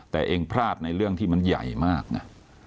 แต่เองพลาดในเรื่องที่มันใหญ่มากนะ